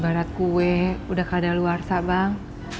ibarat kue udah kadal luar sabang